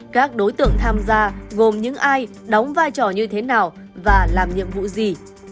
các đối tượng tham gia gồm những ai đóng vai trò như thế nào và làm nhiệm vụ gì